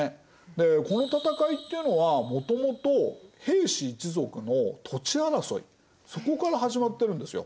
でこの戦いっていうのはもともと平氏一族の土地争いそこから始まってるんですよ。